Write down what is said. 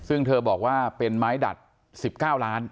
ซึ่งเธอบอกว่าเป็นไม้ดัดสิบเก้าล้าน